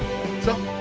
そう。